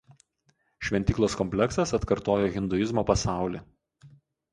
Šventyklos kompleksas atkartojo hinduizmo pasaulį.